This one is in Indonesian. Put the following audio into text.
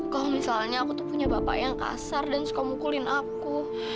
kalau misalnya aku tuh punya bapak yang kasar dan suka mukulin aku